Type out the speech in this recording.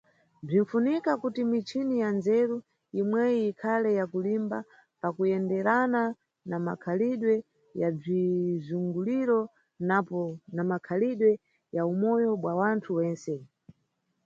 Bzinʼfunika kuti michini ya ndzeru imweyi ikhale ya kulimba pakuyenderana na makhalidwe ya bzizunguliro napo na makhalidwe ya umoyo bwa wanthu wentse.